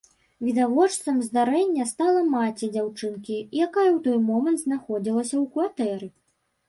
Відавочцам здарэння стала маці дзяўчынкі, якая ў той момант знаходзілася ў кватэры.